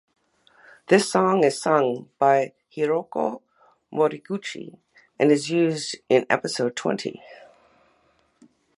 This song is sung by Hiroko Moriguchi and is used in episode twenty.